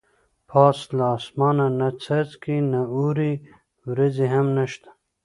پاس له اسمان نه څاڅکي نه اوري ورېځې هم نشته.